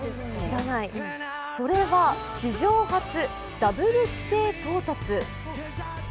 それは史上初ダブル規定到達。